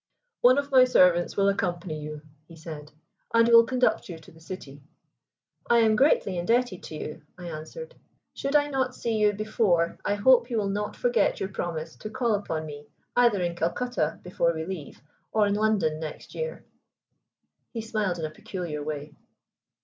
"One of my servants will accompany you," he said, "and will conduct you to the city." "I am greatly indebted to you," I answered. "Should I not see you before, I hope you will not forget your promise to call upon me either in Calcutta, before we leave, or in London next year." He smiled in a peculiar way.